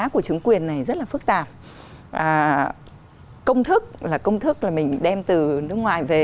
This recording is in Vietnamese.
chính tạp công thức là công thức là mình đem từ nước ngoài về